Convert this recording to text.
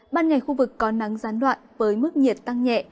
ban ngày khu vực có nắng gián đoạn với mức nhiệt tăng nhẹ